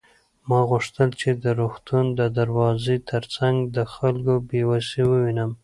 ما غوښتل چې د روغتون د دروازې تر څنګ د خلکو بې وسي ووینم.